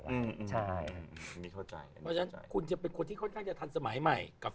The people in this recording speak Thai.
คุณจะเป็นคนที่ค่อนข้างจะทันสมัยใหม่